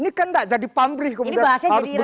ini kan gak jadi pamrih kemudian harus berdiri